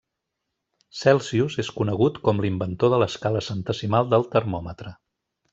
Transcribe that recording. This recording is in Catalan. Celsius és conegut com l'inventor de l'escala centesimal del termòmetre.